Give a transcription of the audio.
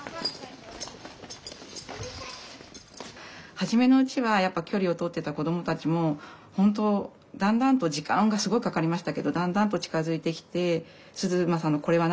初めのうちはやっぱ距離をとってた子どもたちも本当だんだんと時間がすごいかかりましたけどだんだんと近づいてきて涼将のこれは何？